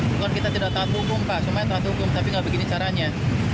bukan kita tidak taat hukum pak semuanya taat hukum tapi nggak begini caranya